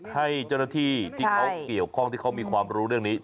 ให้เจ้าหน้าที่ที่เขาเกี่ยวข้องที่เขามีความรู้เรื่องนี้